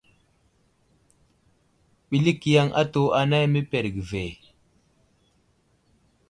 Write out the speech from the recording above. Ɓəlik yaŋ atu anay məpərge ve.